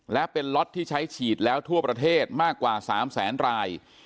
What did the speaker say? และเป็นล็อตที่ใช้ฉีดแล้วทั่วประเทศมากกว่า๓แสนราย